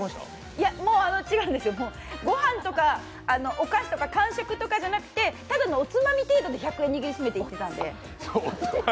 いや、違うんですよ、御飯とかお菓子とか間食とかじゃなくて、ただのおつまみ程度で１００円握りしめていっていたので。